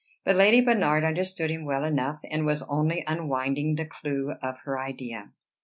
But Lady Bernard understood him well enough, and was only unwinding the clew of her idea.